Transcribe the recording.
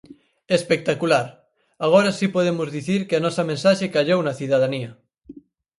"Espectacular, agora si podemos dicir que a nosa mensaxe callou na cidadanía".